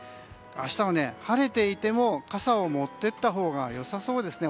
明日は晴れていても傘を持って行ったほうが良さそうですね。